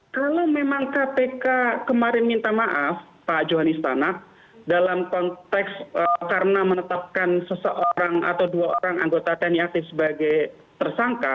kalau memang kpk kemarin minta maaf pak johan istana dalam konteks karena menetapkan seseorang atau dua orang anggota tni aktif sebagai tersangka